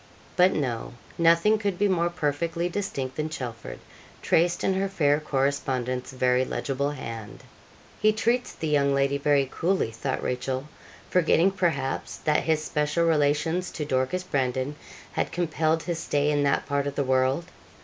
But no. Nothing could be more perfectly distinct than 'Chelford,' traced in her fair correspondent's very legible hand. 'He treats the young lady very coolly,' thought Rachel, forgetting, perhaps, that his special relations to Dorcas Brandon had compelled his stay in that part of the world.